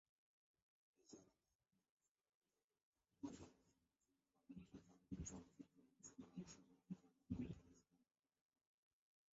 এছাড়া তার পরিচালিত কয়েকটি চলচ্চিত্র আন্তর্জাতিক চলচ্চিত্র উৎসবে অংশগ্রহণ করে এবং পুরস্কার লাভ করে।